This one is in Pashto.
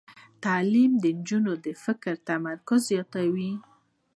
تعلیم د نجونو فکري تمرکز زیاتوي.